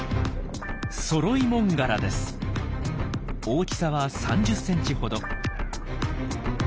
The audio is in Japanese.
大きさは３０ｃｍほど。